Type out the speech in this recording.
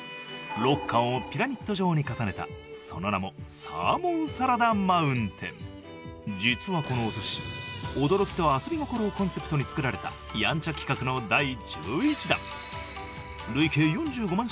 ６貫をピラミッド状に重ねたその名も実はこのお寿司驚きと遊び心をコンセプトに作られた「やんちゃ企画」の第１１弾累計４５万